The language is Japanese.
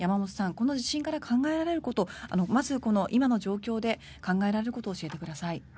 この地震から考えられることまず、今の状況で考えられることを教えてください。